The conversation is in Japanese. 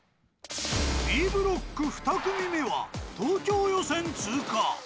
Ｂブロック２組目は東京予選通過。